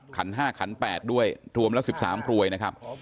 ขัน๕ขัน๘ด้วยรวมแล้ว๑๓กรวยนะครับ